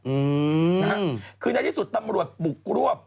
อืมนะฮะคือในที่สุดตำรวจบุกรวบ